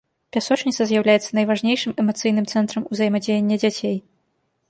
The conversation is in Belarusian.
Пясочніца з'яўляецца найважнейшым эмацыйным цэнтрам узаемадзеяння дзяцей.